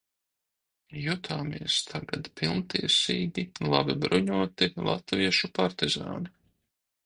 Jutāmies tagad pilntiesīgi, labi bruņoti, latviešu partizāni.